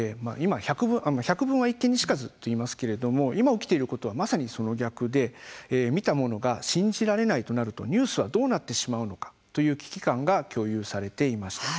百聞は一見にしかずと言いますけれども今、起きていることはまさにその逆で見たものが信じられないとなるとニュースはどうなってしまうのかという危機感が共有されていました。